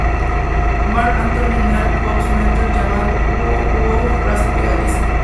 Marc Anthony Neal de PopMatters llamado el "uh-oh, uh-oh" frase pegadiza.